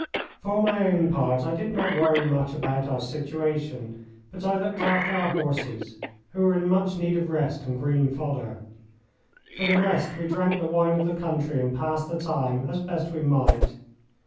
For my own part, I did not worry much about our situation, but I looked after our horses, who were in much need of rest and green fodder. For the rest, we drank the wine of the country and passed the time as best we might.